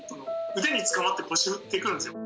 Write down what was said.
腕につかまって腰振ってくるんですよ。